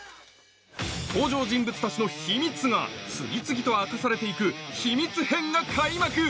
登場人物たちの秘密が次々と明かされていく「秘密編」が開幕！